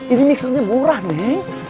ini mixernya murah neng